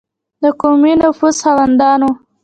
د قومي نفوذ خاوندانو.